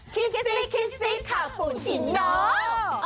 คริมสิกสิกขาปุชิโน